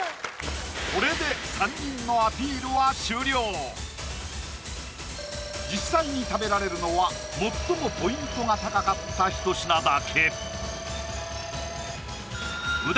これで３人の実際に食べられるのは最もポイントが高かったひと品だけ右團